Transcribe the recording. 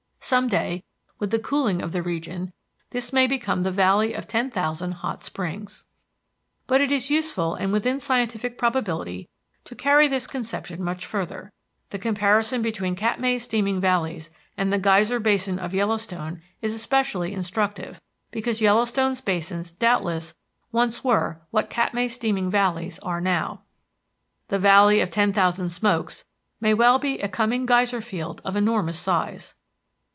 Some day, with the cooling of the region, this may become the valley of ten thousand hot springs. But it is useful and within scientific probability to carry this conception much further. The comparison between Katmai's steaming valleys and the geyser basin of Yellowstone is especially instructive because Yellowstone's basins doubtless once were what Katmai's steaming valleys are now. The "Valley of Ten Thousand Smokes" may well be a coming geyser field of enormous size.